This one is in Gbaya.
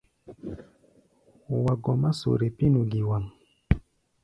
Wa gɔmá sore pínu giwaŋ.